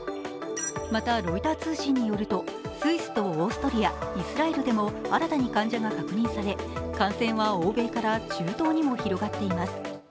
また、ロイター通信によるとスイスとオーストリア、イスラエルでも新たに患者が確認され、感染は欧米から中東にも広がっています。